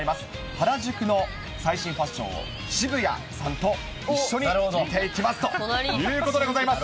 原宿の最新ファッションを、渋谷さんと一緒に見ていきますということでございます。